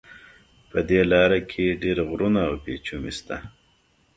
په دې لاره کې ډېر غرونه او پېچومي شته.